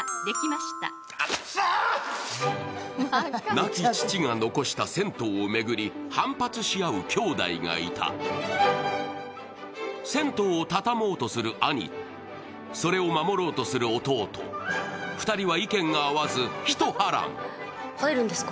亡き父が残した銭湯をめぐり反発し合う兄弟がいた銭湯を畳もうとする兄それを守ろうとする弟２人は意見が合わず一波乱入るんですか？